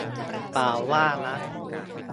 เปล่าว่านะ